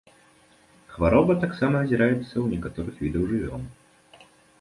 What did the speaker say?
Хвароба таксама назіраецца ў некаторых відаў жывёл.